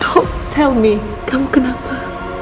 beritahu mama kamu kenapa